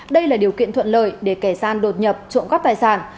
đây là điều kiện thuận lợi để kẻ gian đột nhập trộm cắp tài sản